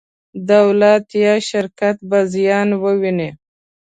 دولت یا شرکت به زیان وویني.